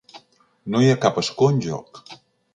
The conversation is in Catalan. No hi ha cap escó en joc.